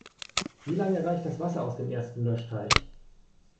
Wie lange reicht das Wasser aus dem ersten Löschteich?